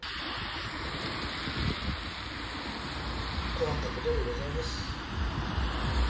困ったことでございます。